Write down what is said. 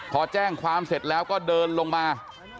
พอแจ้งความเสร็จแล้วก็เดินลงมา